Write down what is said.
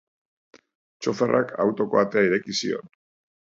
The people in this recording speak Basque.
Txoferrak autoko atea ireki zion.